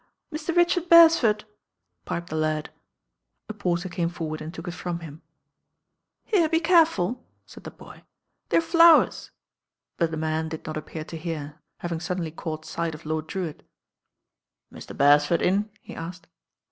"Mr. Richard Beresford," piped the lad A porter came forward and took it from him. 170 THE BAIN OIRL "Here, be careful/* taid the boy, "they*re flow en; but the man did not appear to hear, having •uddenly caught light of Lord Drewitt. "Mr. Beretford in?" he asked.